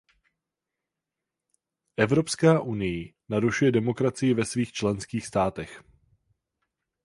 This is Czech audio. Evropská unii narušuje demokracii ve svých členských státech.